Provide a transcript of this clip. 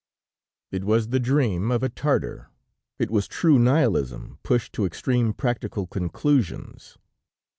"It was the dream of a Tartar; it was true nihilism pushed to extreme practical conclusions.